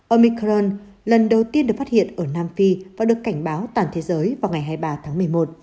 omicron lần đầu tiên được phát hiện ở nam phi và được cảnh báo toàn thế giới vào ngày hai mươi ba tháng một mươi một